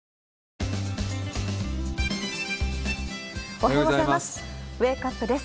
おはようございます。